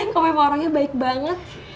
kalau memang orangnya baik banget